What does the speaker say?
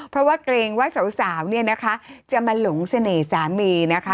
เพราะว่าเกรงว่าสาวจะมาหลงเสน่ห์สามีนะคะ